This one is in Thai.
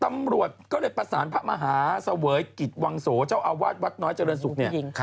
ตำรวจก็เลยประสานพระมหาเสวยกิจวังโสเจ้าอาวาสวัดน้อยเจริญศุกร์เนี่ย